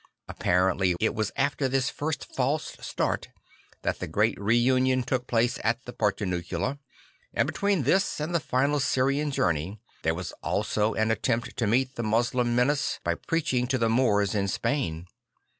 Apparently it was after this first false start that the great re union took place at the Portiuncula, and between this and the final Syrian journey there was also an attempt to meet the Moslem menace by preaching to the Moors in Spain.